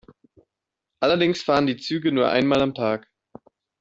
Allerdings fahren die Züge nur einmal am Tag.